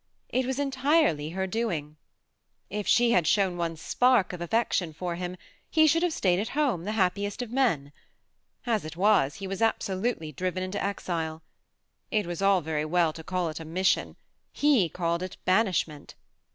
It was entirely her doing. If she had shown one spark of affection for him, he should have stayed at home, the happiest of men ; as it was, he was absolutely driven into exile. It was all very weir to call it a mission ; he called it banishment.